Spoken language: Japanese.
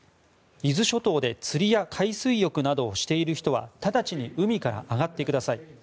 伊豆諸島で釣りや海水浴などをしている人は直ちに海から上がってください。